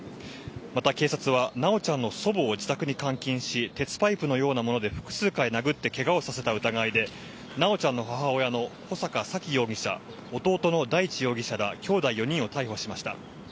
また、警察は修ちゃんの祖母を自宅に監禁し鉄パイプのようなもので複数回殴ってケガをさせた疑いで修ちゃんの母親の穂坂沙喜容疑者弟の大地容疑者らきょうだい４人を逮捕しました。